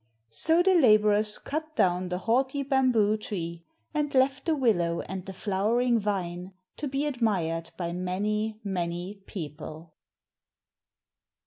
So the labourers cut down the haughty bamboo tree, and left the willow and the flowering vine to be admired by many, many people.